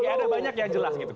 ada banyak yang jelas gitu